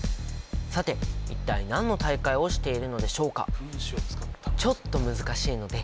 さて一体何の大会をしているのでしょうか？